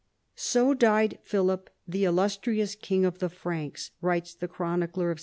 So died Philip the illustrious king of the Franks, writes the chronicler of S.